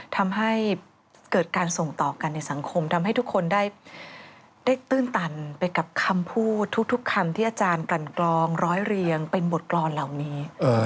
ทำให้เกิดการส่งต่อกันในสังคมทำให้ทุกคนได้ตื้นตันไปกับคำพูดทุกคำที่อาจารย์กลั่นกลองร้อยเรียงเป็นบทกรรมเหล่านี้